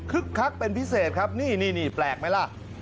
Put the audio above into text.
คักเป็นพิเศษครับนี่แปลกไหมล่ะ